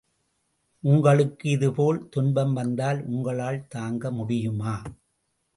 உங்களுக்கு இது போல் துன்பம் வந்தால் உங்களால் தாங்க முடியுமா?